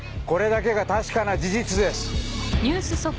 これだけが確かな事実です。